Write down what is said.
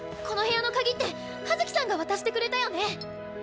この部屋の鍵って葉月さんが渡してくれたよね